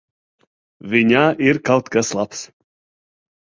Viņā ir kaut kas labs.